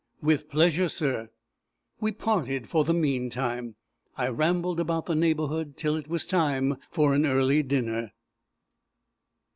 "With pleasure, sir." We parted for the meantime. I rambled about the neighbourhood till it was time for an early dinner.